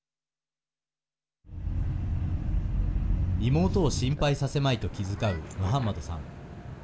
妹を心配させまいと気遣うムハンマドさん。